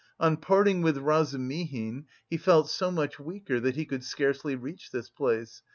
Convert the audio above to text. On parting with Razumihin, he felt so much weaker that he could scarcely reach this place.